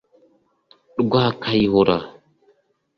Rwakayihura